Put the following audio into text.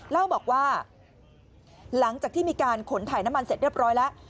เล่าบอกว่าหลังจากที่มีการขนถ่ายน้ำมันเสร็จเรียบร้อยแล้ว